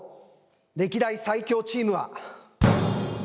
歴代最強チームは。